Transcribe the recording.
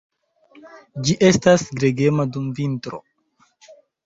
Ĝi estas gregema dum vintro.